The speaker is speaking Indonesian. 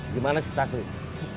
gimana si tas wih